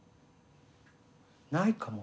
ないかも。